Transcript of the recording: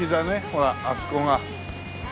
ほらあそこが。